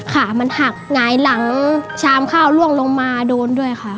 ขามันหักหงายหลังชามข้าวล่วงลงมาโดนด้วยค่ะ